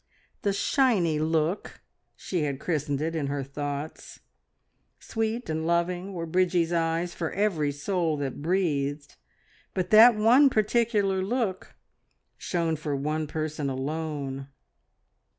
"The shiny look!" she had christened it in her thoughts. Sweet and loving were Bridgie's eyes for every soul that breathed, but that one particular look shone for one person alone!